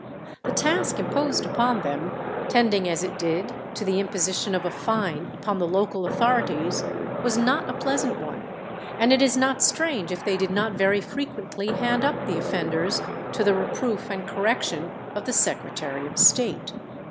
The task imposed upon them, tending as it did to the imposition of a fine upon the local authorities, was not a pleasant one, and it is not strange if they did not very frequently hand up the offenders to the reproof and correction of the Secretary of State.